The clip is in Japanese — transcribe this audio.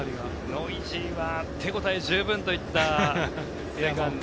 ノイジーは手応え十分といった送球でした。